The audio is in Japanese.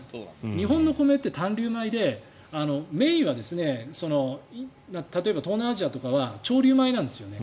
日本の米って短粒米でメインは例えば、東南アジアとかは長粒米なんですよね。